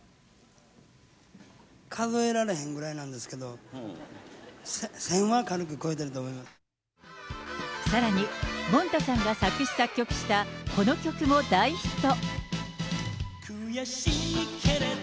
数えられへんぐらいなんですけど、１０００は軽く超えてるとさらに、もんたさんが作詞作曲したこの曲も大ヒット。